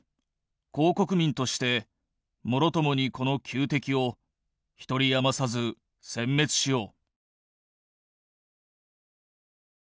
皇国民としてもろともにこの仇敵を一人余さず殲滅しよう」。